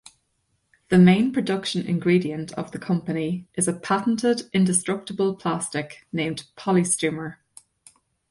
The main production ingredient of the company is a patented indestructible plastic named Polystumer.